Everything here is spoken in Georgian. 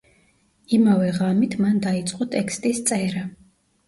იმავე ღამით მან დაიწყო ტექსტის წერა.